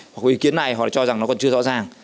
hoặc có ý kiến này họ cho rằng nó còn chưa rõ ràng